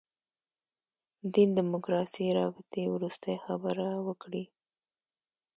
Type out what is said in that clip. دین دیموکراسي رابطې وروستۍ خبره وکړي.